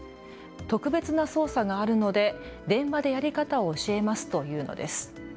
特別な操作があるので電話でやり方を教えますと言うのです。